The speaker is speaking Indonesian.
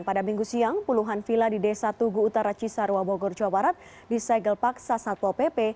pada minggu siang puluhan villa di desa tugu utara cisarua bogor jawa barat disegel paksa satpol pp